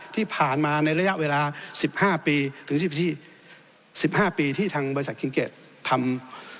ที่ผ่านมาในระยะเวลาสิบห้าปีถึงสิบห้าปีที่ทางบริษัทคิงเกตทำ